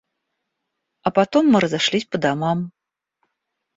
А потом мы разошлись по домам.